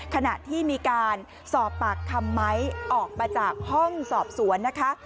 ขณะที่มีการสอบปากคำไม้ออกมาจากห้องสอบสวนนะคะ